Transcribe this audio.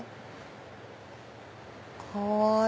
かわいい。